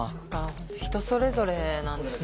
人それぞれなんですね。